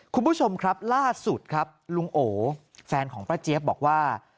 คุณผู้ชมครับล่าสุดครับลุงโอแฟนของป้าเจี๊ยบบอกว่า